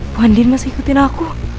pak andin masih ikutin aku